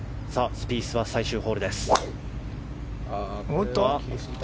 スピースは最終ホールです。